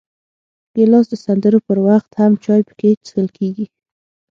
ګیلاس د سندرو پر وخت هم چای پکې څښل کېږي.